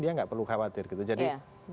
dia nggak perlu khawatir gitu jadi